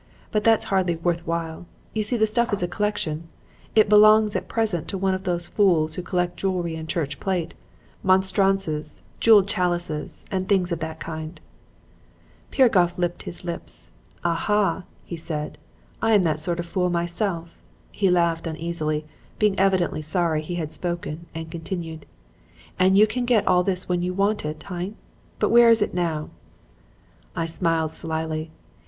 But that's hardly worth while. You see this stuff is a collection. It belongs, at present, to one of those fools who collect jewelry and church plate; monstrances, jeweled chalices and things of that kind.' "Piragoff licked his lips. 'Aha!' said he, 'I am that sort of fool myself.' He laughed uneasily, being evidently sorry he had spoken, and continued: "'And you can get all this when you want it, hein? But where is it now?' "I smiled slyly.